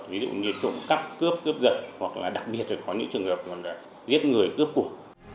ví dụ như trộm cắp cướp cướp giật hoặc là đặc biệt là có những trường hợp giết người cướp cuộc